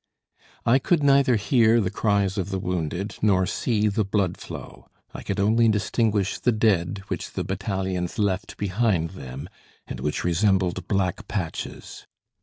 I could neither hear the cries of the wounded, nor see the blood flow. I could only distinguish the dead which the battalions left behind them, and which resembled black patches.